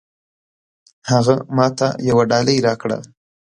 هغه ماته يوه ډالۍ راکړه.